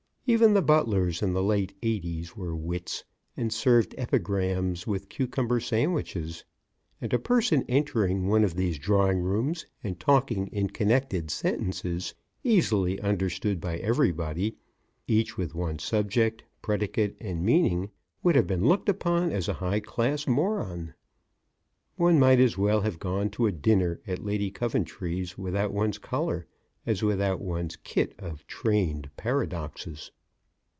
Even the butlers in the late 'eighties were wits, and served epigrams with cucumber sandwiches; and a person entering one of these drawing rooms and talking in connected sentences easily understood by everybody each with one subject, predicate and meaning, would have been looked upon as a high class moron. One might as well have gone to a dinner at Lady Coventry's without one's collar, as without one's kit of trained paradoxes. [Illustration: "The butlers served epigrams with the cucumber sandwiches."